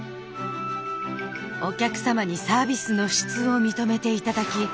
お客様にサービスの質を認めて頂き